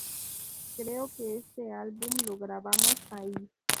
Creo que ese álbum lo grabamos ahí".